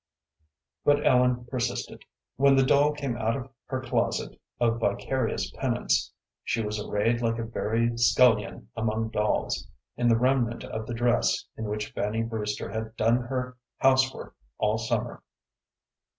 But Ellen persisted. When the doll came out of her closet of vicarious penance she was arrayed like a very scullion among dolls, in the remnant of the dress in which Fanny Brewster had done her house work all summer.